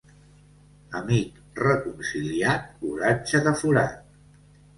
Amic reconciliat, oratge de forat.